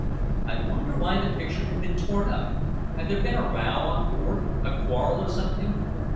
"I wonder why the picture had been torn up. Had there been a row on board a quarrel or something?"